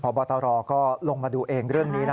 บอตรก็ลงมาดูเองเรื่องนี้นะ